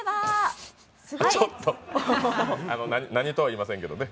ちょっと、何とは言いませんけどね。